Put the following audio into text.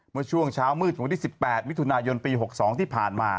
เมื่อช่วงเช้ามืดของวันที่๑๘มิถุนายนปี๖๒ที่ผ่านมา